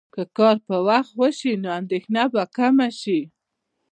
که کار په وخت وشي، نو اندېښنه به کمه شي.